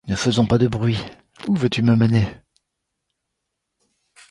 Ne faisons pas de bruit ; où veux-tu me mener?